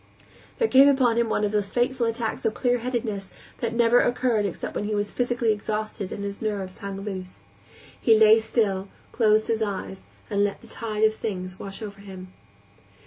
There came upon him one of those fateful attacks of clearheadedness that never occurred except when he was physically exhausted and his nerves hung loose. He lay still, closed his eyes, and let the tide of things wash over him.